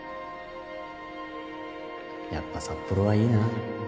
やっぱ札幌はいいな